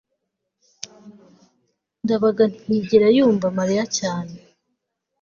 ndabaga ntiyigera yumva mariya cyane